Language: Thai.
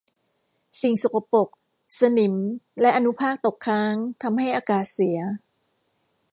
สิ่งสกปรกสนิมและอนุภาคตกค้างทำให้อากาศเสีย